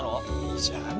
いいじゃん